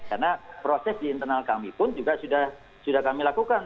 karena proses di internal kami pun juga sudah kami lakukan